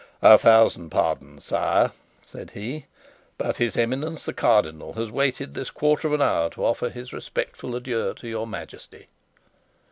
"A thousand pardons, sire," said he, "but his Eminence the Cardinal has waited this quarter of an hour to offer his respectful adieu to your Majesty."